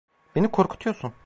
Beni korkutuyorsun.